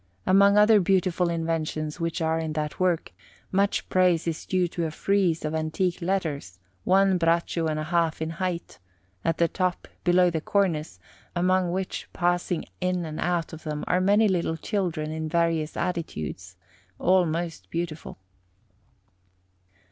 Among other beautiful inventions which are in that work, much praise is due to a frieze of antique letters, one braccio and a half in height, at the top, below the cornice, among which, passing in and out of them, are many little children in various attitudes, all most beautiful.